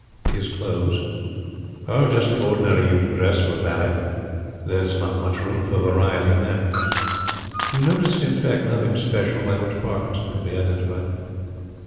"His clothes?" "Oh, just the ordinary evening dress of a valet. There is not much room for variety in that." "You noticed, in fact, nothing special by which Parkinson could be identified?"